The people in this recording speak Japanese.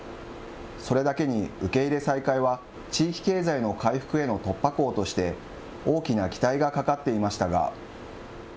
それだけに受け入れ再開は地域経済の回復への突破口として、大きな期待がかかっていましたが。